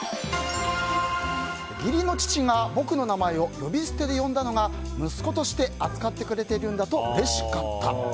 義理の父が僕の名前を呼び捨てで呼んだのが息子として扱ってくれているんだとうれしかった。